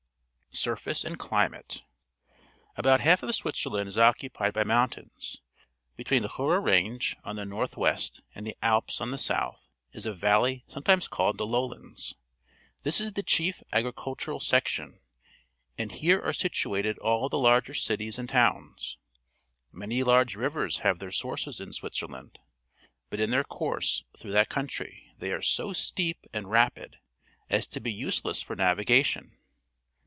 Surface and Climate. — About half of Switzerland is occupied by mountains. Be tween the Jura Range on the north west and An Alpine Village, Switzerland the Alps on the south, is a \ alley, sometimes called the Loidands. This is the chief agri cultural section, and here are situated all the larger cities and towns. Many large rivers have their sources in Switzerland, but in their course through that country they are so steep and rapid as to be useless for naviga tion.